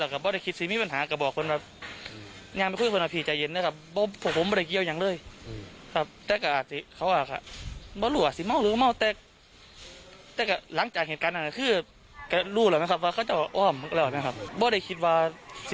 ก็บอกถ้าเขาไม่ยิงส่วนไปก็ไม่รู้ว่ากลุ่มเขาจะเป็นอย่างไร